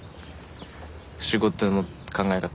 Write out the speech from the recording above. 仕事の考え方。